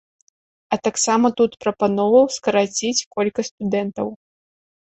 А таксама тут прапаноўваў скараціць колькасць студэнтаў.